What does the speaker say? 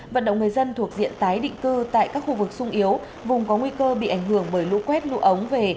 vận động người dân thuộc diện tái định cư tại các khu vực sung yếu vùng có nguy cơ bị ảnh hưởng bởi lũ quét lũ ống về